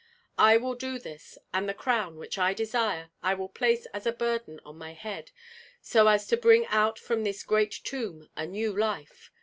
I will do this; and the crown, which I desire, I will place as a burden on my head, so as to bring out from this great tomb a new life.